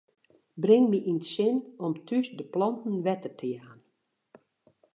Bring my yn it sin om thús de planten wetter te jaan.